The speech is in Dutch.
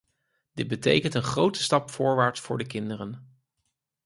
Dit betekent een grote stap voorwaarts voor de kinderen.